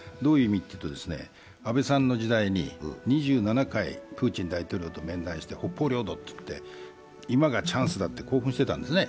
安倍さんの時代に２７回プーチン大統領と面会して、北方領土と言って、今がチャンスだと興奮していたんですね。